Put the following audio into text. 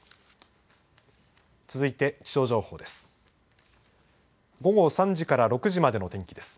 続いて気象情報です。